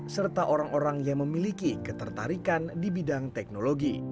serta orang orang yang memiliki ketertarikan di bidang teknologi